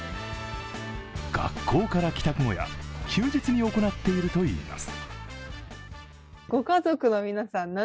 学校から帰宅後や休日に行っているといいます。